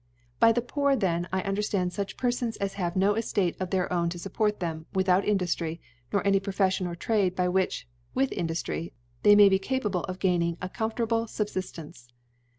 By The Poor, then, I jinderftand fuch Pcrfons as have no Eftate of their own p> fupport them,, without Induftry; nor any • Profeffion or Trade, by which, with Induf try, they may be capable of gaining a com £cH*table Subfiftence.